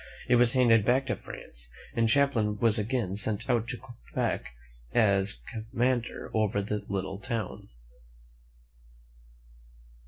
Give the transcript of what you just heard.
It was handed back to France, and Champlain was again sent out to Quebec as commander over the little town.